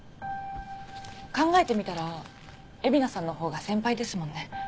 考えてみたら蝦名さんのほうが先輩ですもんね。